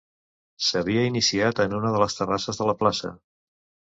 S’havia iniciat en una de les terrasses de la plaça.